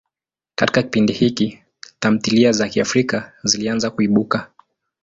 Katika kipindi hiki, tamthilia za Kiafrika zilianza kuibuka.